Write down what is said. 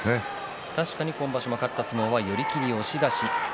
確かに今場所勝った相撲は寄り切りと押し出しです。